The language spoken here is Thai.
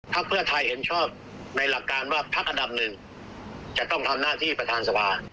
เพื่อไทยเห็นชอบในหลักการว่าพักอันดับหนึ่งจะต้องทำหน้าที่ประธานสภา